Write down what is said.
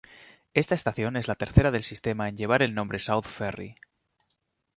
Esta estación es la tercera del sistema en llevar el nombre South Ferry.